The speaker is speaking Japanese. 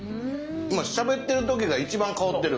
今しゃべってる時が一番香ってる。